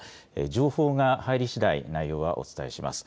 情報が入りしだい、内容はお伝えします。